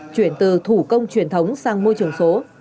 chuyển từ thủ công truyền thống sang môi trường số